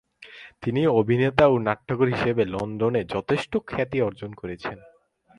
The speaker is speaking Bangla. তিনি অভিনেতা ও নাট্যকার হিসেবে লন্ডনে যথেষ্ট খ্যাতি অর্জন করেছিলেন।